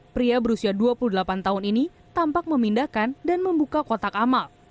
pria berusia dua puluh delapan tahun ini tampak memindahkan dan membuka kotak amal